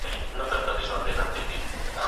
په خپلو ګوتو به قلم رااخلو